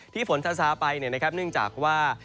ที่ฝนซาซาไปเนี่ยนะครับเนื่องจากว่า